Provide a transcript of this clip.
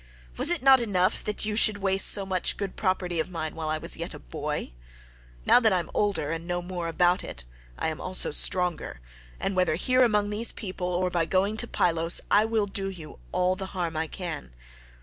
Was it not enough that you should waste so much good property of mine while I was yet a boy? Now that I am older and know more about it, I am also stronger, and whether here among this people, or by going to Pylos, I will do you all the harm I can.